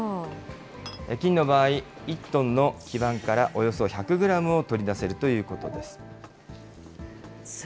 金の場合、１トンの基板からおよそ１００グラムを取り出せるということです。